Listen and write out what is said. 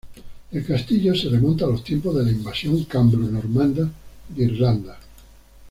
El castillo se remonta a los tiempos de la Invasión cambro-normanda de Irlanda.